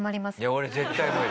俺絶対無理。